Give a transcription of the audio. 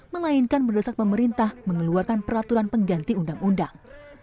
melainkan mendesak pemerintah mengeluarkan peraturan pengganti undang undang